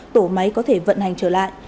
tổ máy có thể vận hành trở lại